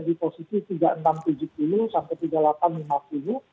di posisi tiga ribu enam ratus tujuh puluh sampai tiga ribu delapan ratus lima puluh